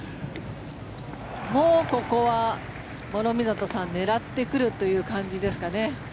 ここは諸見里さん狙ってくるという感じですかね。